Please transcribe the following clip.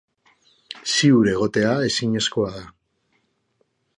Ziur egotea ezinezkoa da.